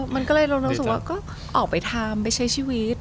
มันก็เลยเรารู้สึกว่าก็ออกไปทำไปใช้ชีวิต